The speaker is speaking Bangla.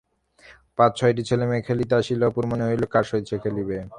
পাঁচ ছয়টি ছেলেমেয়ে খেলিতে আসিলেও অপুর মনে হইল, কাহার সহিত সে খেলিবে?